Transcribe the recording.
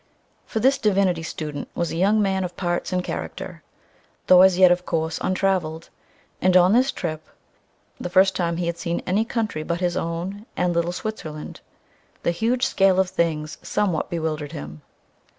For this "divinity student" was a young man of parts and character, though as yet, of course, untraveled; and on this trip the first time he had seen any country but his own and little Switzerland the huge scale of things somewhat bewildered him.